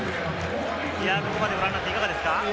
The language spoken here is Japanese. ここまでご覧になって、いかがですか？